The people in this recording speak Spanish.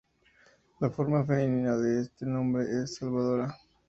La forma femenina de este nombre es Salvadora.